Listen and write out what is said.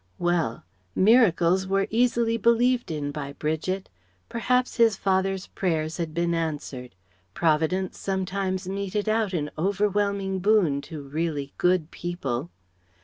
Well: miracles were easily believed in by Bridget. Perhaps his father's prayers had been answered. Providence sometimes meted out an overwhelming boon to really good people.